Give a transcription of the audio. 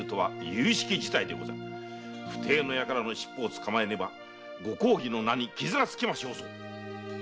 不逞の輩の尻尾を捕まえねばご公儀の名に傷がつきましょうぞ。